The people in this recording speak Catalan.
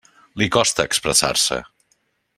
Li costa expressar-se.